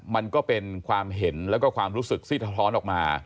มันก็เป็นความเห็นแล้วก็ความรู้สึกซีดสะท้อนออกมา